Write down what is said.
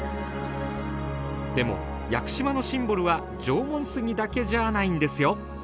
でも屋久島のシンボルは縄文杉だけじゃあないんですよ。